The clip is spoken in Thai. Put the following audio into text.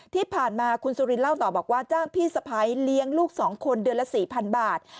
ที่ผ่านมาคุณสุรินเล่าต่อบอกว่าจ้างพี่สะพ้ายเลี้ยงลูก๒คนเดือนละ๔๐๐๐บาท